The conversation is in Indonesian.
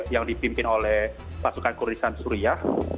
yang dipimpin oleh pasukan kurdistan suria